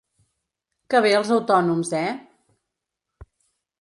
Que bé els autònoms, eh?